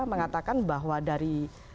mengatakan bahwa dari